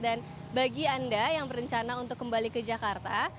dan bagi anda yang berencana untuk kembali ke jakarta